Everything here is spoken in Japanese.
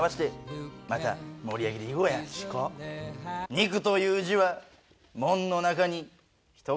「肉」という字は門の中に人が２人。